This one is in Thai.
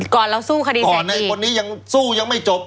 ก่อนเราสู้คดีเสียที่ก่อนไอ้คนนี้สู้ยังไม่จบ